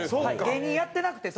芸人やってなくて。